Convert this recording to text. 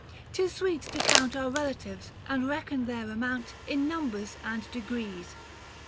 — 'tis sweet to count 665 Our relatives, and reckon their amount In numbers and degrees.